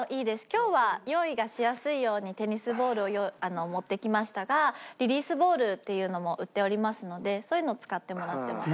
今日は用意がしやすいようにテニスボールを持ってきましたがリリースボールっていうのも売っておりますのでそういうのを使ってもらっても。